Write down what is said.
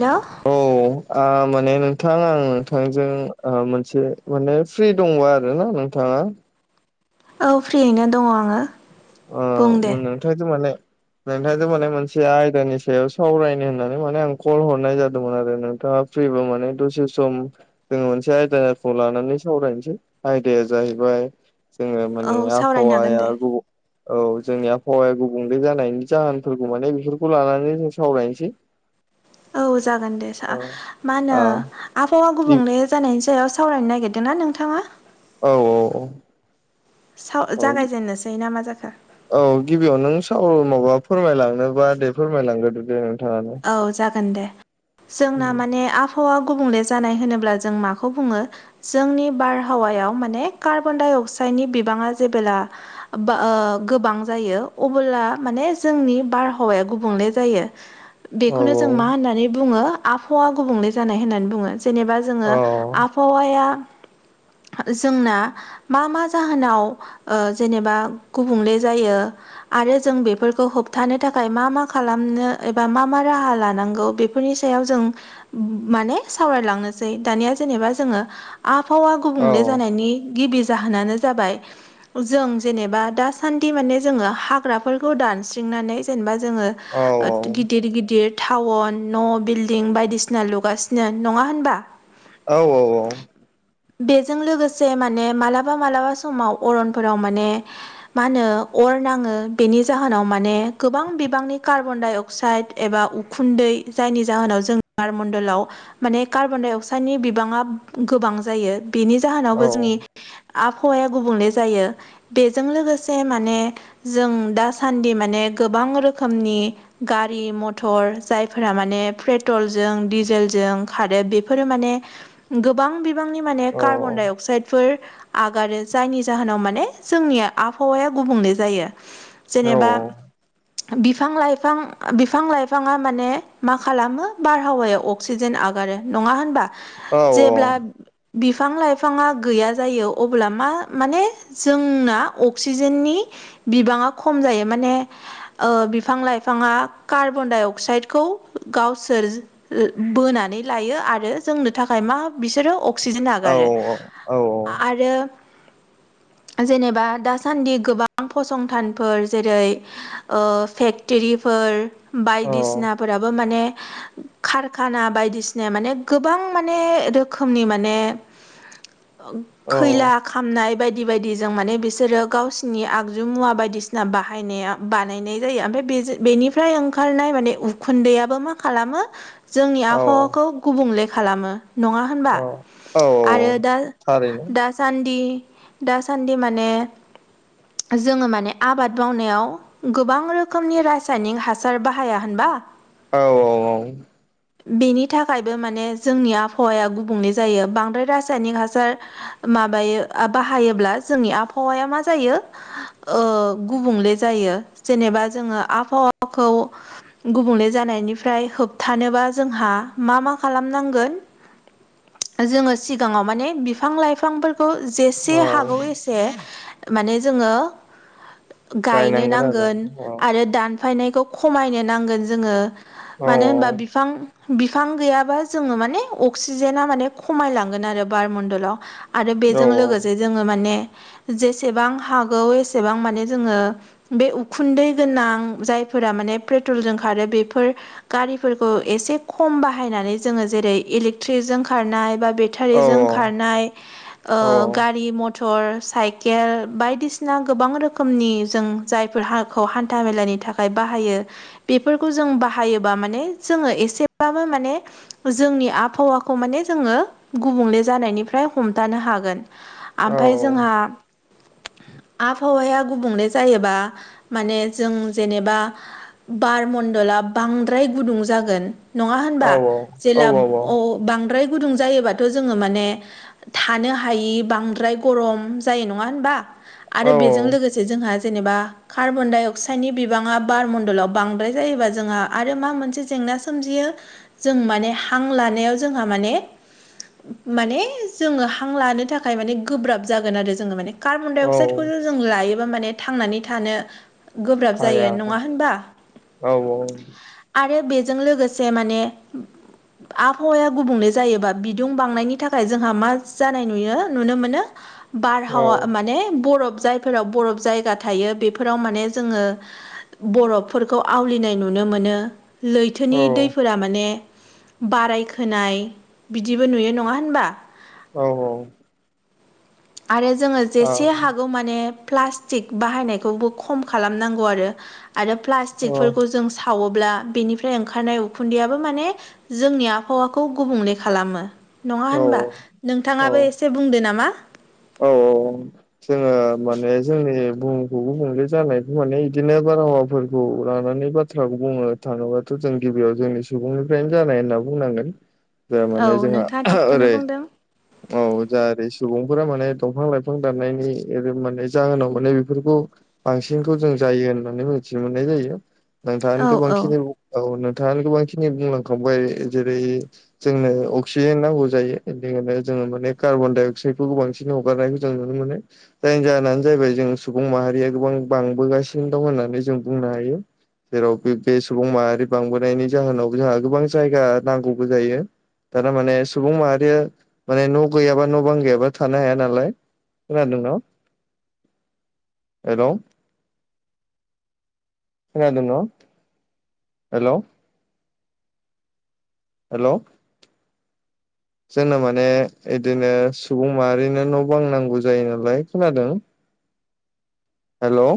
हेल' औ। ओ माने नोंथां आं नोंथांजों ओ मोनसे माने फ्रि दंबा आरो ना नोंथाङा औ फ्रियैनो दङ आङो। अ बुं दे नोंथां जों' माने नोंथांजों माने मोनसे आयदानि सायाव सावरायनो होननानै माने आं कल हरनाय जादोंमोन आरो नोंथाङा फ्रिबा माने दसे सम जोङो मोनसे आयदाखौ लानानै सावरायनोसै आयदाया जाहैबाय जोङो औ माने सावरायनो हागोन आबहावाया दे गुबु औ जोंनि आबहावाया गुबुंले जानायनि जाहोनफोरखौ माने बेफोरखौ लानानै जों सावरायनोसै। [inaudible] औ जागोन दे सा ओ मा होनो आ आबहावा गुबुंले जानायनि सायाव सावरायनो नागिरदों ना नोंथाङा। औ औ साव औ औ। जागायजेननोसै ना मा जाखो औ गिबियाव नों साव माबा फोरमायलांनोबा दे फोरमायलांग्रोदो दे नोंथाङानो औ जागोन दे जोंना माने आबहावा गुबुंले जानाय होनोब्ला जों माखौ बुङो जोंनि बारहावायाव माने कार्बन -डाइ -अक्साइडनि बिबाङा जेबोला ओ गोबां जायो अबोब्ला माने जोंनि बारहावाया गुबुंले जायो। औ बेखौनो जों मा होननानै बुङो आबहावा गुबुंले जानाय होननानै बुङो जेनेबा जोङो औ आबहावाया जोंना मा मा जाहोनाव ओ जेनेबा गुबुंले जायो। आरो जों बेफोरखौ होबथानो थाखाय मा मा खालामनो बा मा मा राहा लानांगौ बेफोरनि सायाव जों माने सावरायलांनोसै दानिया जेनेबा जोङो आबहावा गुबुंले जानायनि गिबि जाहोनानो जाबाय जों जेनेबा दासान्दि माने जोङो हाग्राफोरखौ दानस्रिंनानै जेनेबा जोङो औ औ। गिदिर गिदिर टाउन न' बिल्डिं बायदिसिना लुगासिनो नङा होनबा? औ औ औ। बेजों लोगोसे माने मालाबा मालाबा समाव अरनफोराव माने मा होनो अर नाङो बेनि जाहोनाव माने गोबां बिबांनि कार्बन डाइ अ साइड एबा उखुन्दै जायनि जाहोनाव जों गारमण्डलाव माने कार्बन डाइ अक्साइडनि बिबाङा गोबां जायो बेनि औ जाहोनावबो जोंनि आबहावाया गुबुंले जायो। बेजों लोगोसे माने जों दासान्दि माने गोबां रोखोमनि गारि मथर जायफोरा माने पेट्रलजों डिजेलजों खारो बेफोरो माने गोबां बिबांनि माने औ कार्बन डाइ अक्साइदफोर आगारो जायनि जाहोनाव माने जोंनि आबहावाया गुबुंले जायो। औ जेनेबा बिफां लाइ बिफां बिफां लाइफाङा माने मा खालामो बारहावायाव अक्सिजेन आगारो नङा होनबा? औ जेब्ला बिफां लाइफाङा गैया जायो अब्ला मा माने जोंना अक्सिजेननि बिबाङा खम जायो माने ओ बिफां लाइ फाङा कार्बन डाइ अक्साइडखौ गावसोर ओ बोनानै लायो आरो जोंनो थाखाय मा बिसोरो अ सिजेन आगारो आरो जेनेबा दासान्दि गोबां फसंथानफोर जेरै ओ फेक टेरिफोर बायदिसिनाफोराबो माने कारखाना बायदिसिना माने गोबां माने रोखोमनि माने ओ खैला खामनाय बायदि बायदिजों माने बिसोरो गावसिनि आगजु मुवा बायदिसिना बाहायनाया। बानायनाय जायो ओमफाय बेजो बेनिफ्राय ओंखारनाय माने उखुन्दैआबो मा खालामो जोंनि औ आबहावाखौ गुबुंले खालामो नङा होनबा औ औ आरो दा थारैनो दास सान्दि दासान्दि माने जोङो माने आबाद मावनायाव गोबां रोखोम रोखोमनि रासायनिक हासार बाहाया होनबा औ औ द बेनि थाखायबो माने जोंनि आबहावाया गुबुंले जायो बांद्राय रासायनिक हासार माबायो बाहायोब्ला जोंनि आबहावाया मा जायो ओ गुबुंले जायो जेनेबा जोङो आबहावाखौ गुबुंले जानायनिफ्राय होबथानोबा जोंहा मा मा खालामनांगोन जोङो सिगाङाव माने बिफां लाइफांफोर खौ जेसे औ हागौ एसे माने जोङो गायनो गायनांगोन आरो नांगोन आरो दान फायनायखौ खमायनो नांगोन जोङो औ मानो होनबा बि फां बिफां गैयाबा जोङो माने अक्सिजेना माने खमायलांगोन आरो बार मण्डलाव। आरो औ बेजों लोगोसे जोङो माने जेसेबां हागौ एसेबां माने जोङो बे उखुन्दै गोनां जायफोरा माने पेट्रलजों खारो बेफोर गारिफोर बो एसे खम बाहायनानै जोङो जेरै इलेकट्रि जों खारनाय बा बे औ थाइजों खारनाय औ ओ गारि मथर साइकेल बायदिसिना गोबां रोखोमनि जों जायफोर हाखौ हान्था मेलानि थाखाय बाहायो बेफोरखौ जों बाहायोबा माने जोङो एसेबाबो माने जोंनि आबहावाखौ माने जोङो गुबुंले जानायनिफ्राय हमथानो हागोन। औ आमफाय जोंहा आबहावाया गुबुंले जायोबा माने जों जेनेबा बारमण्डला बांद्राय गुदुं जागोन नङा होनबा जेला अ' बांद्राय गुदुं जायोबाथ' जोङो माने थानो हायि बांद्राय गरम जायो नङा होनबा आरो औ बेजों लोगो जोंहा जेनेबा कार्बनडाइ अक्साइडनि बिबाङा बार मणडलाव बांद्राय जायोबा जोंहा आरो मा मोनसे जेंना सोमजियो जों माने हां लानायाव जोंहा माने माने जोङो हां लानो थाखाय माने गोब्राब जागोन आरो जोङो माने। कार्बनडाइ औ अक्साइदखौ थ जों लायोबा माने थांनानै थानो गोब्राब हाया जायो नङा होनबा औ आरो बे जों लोगोसे माने आबहावाया गुबुंले जायोबा बिदुं बांनायनि थाखाय जोंहा मा जानाय नुयो नुनो मोनो औ बारहावा माने बरफ जायफोराव बरफ जायगा थायो बेफोराव माने जोङो बरफफोरखौ आवलिनाय नुनो मोनो औ लैथोनि दैफोरा माने बाराय खोनाय बिदिबो नुयो नङा होनबा औ औ आरो जोङो जेसे हागौ माने प्लास्टिक बाहायनायखौबो खम खालामनांगौ आरो आरो प्लास्टिकफोरखौ जों सावोब्ला बेनिफ्राय ओंखारनाय उखुन्दैयाबो माने जोंनि आबहावाखौ गुबुंले खालामो। नङा औ होनबा नोंथाङाबो एसे बुंदो नामा औ औ जोङो माने जोंनि बुहुमखौ गुबुंले जानायखौ माने इदिनो बारहावाफोरखौ लानानै बा थ्राखौ बुंनो थाङोबाथ' जों गिबियाव जोंनि सुबुंनिफ्रायनो जानाय होनना बुंनांगोन। जाया औ माने जोंहा नोंथाङा थिगखौनो ओरै बुंदों औ जा ओरै सुबुं फोर माने दंफां लाइफां दाननायनि [unintelligible] माननै जाहोनाव माने बेफोरखौ बांसिनखौ जों जायो होननानै मिथिनो मोननाय जायो नोंथाङानो औ औ गोबांखिनि औ नोंथाङानो गोबां खिनि बुंलांखांबाय जेरै जोंनो अक्सिजेन नांगौ जायो [unintelligible] खायनो जोङो माने कार्बनडाइ अक्साइद खौ बांसिन हगारनायखौ जों नुनो मोनो जायनि जाहोनानो जाहैबाय जों सुबुं माहारिया गोबां बांबोगासिनो दं होननानै जों बुंनो हायो। जेराव बे बे सुबुं माहारि बांबोनायनि जाहोनावबो जोंहो गोबां जायगा नांगौबो जायो। दाना माने सुबुं माहारिया माने न' गैयाबा न' बां गैयाबा थानो हाया नालाय खोनादों न' हेलो खोनादों न' हेल' हेल' जोंनो माने इदिनो सुबुं माहारिनो न' बां नांगौ जायो नालाय। खोनादों? हेलौ